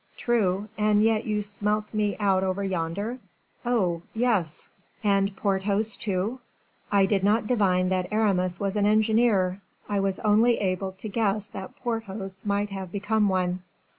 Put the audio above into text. "True. And yet you smelt me out over yonder?" "Oh! yes." "And Porthos, too?" "I did not divine that Aramis was an engineer. I was only able to guess that Porthos might have become one.